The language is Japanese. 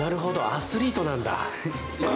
アスリートなんだ！